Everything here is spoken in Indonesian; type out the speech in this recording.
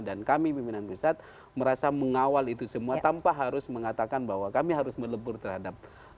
dan kami pimpinan musyad merasa mengawal itu semua tanpa harus mengatakan bahwa kami harus melebur terhadap